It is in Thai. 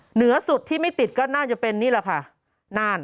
เหนือสุดที่ไม่ติดก็น่าจะเป็นนี่แหละค่ะ